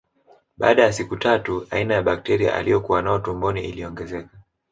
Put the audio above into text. Baada ya siku tatu aina ya bakteria aliokuwa nao tumboni iliongezeka